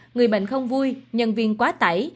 người bệnh không vui nhân viên quá tẩy